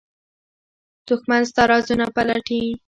دښمن ستا رازونه پلټي